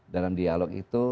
dalam dialog itu